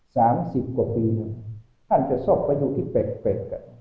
สามสิบกว่าปีไหมท่านจะสกไปที่เป็ดเป็ดอ่ะ